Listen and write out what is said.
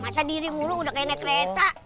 masa diri mulu udah kayak naik kereta